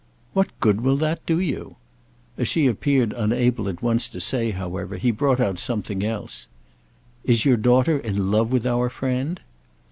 "What good will that do you?" As she appeared unable at once to say, however, he brought out something else. "Is your daughter in love with our friend?"